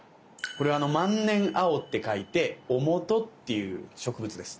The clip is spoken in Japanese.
これは「万年青」って書いて「万年青」っていう植物です。